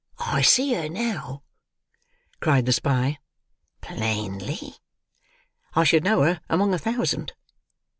"I see her now," cried the spy. "Plainly?" "I should know her among a thousand."